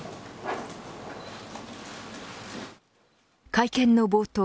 会見の冒頭